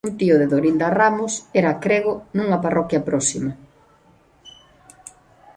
Un tío de Dorinda Ramos era crego nunha parroquia próxima.